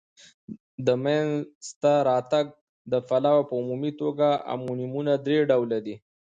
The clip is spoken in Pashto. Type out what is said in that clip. د مینځ ته راتګ د پلوه په عمومي توګه امونیمونه درې ډولونه لري.